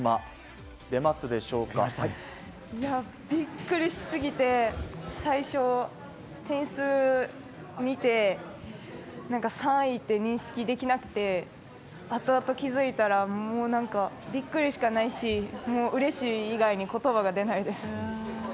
ビックリしすぎて最初、点数見て３言って認識できなくてあとあと気づいたらビックリしかないしうれしい意外に言葉が出ないです。